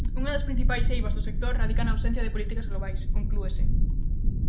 "Unha das principais eivas do sector radica na ausencia de políticas globais", conclúese.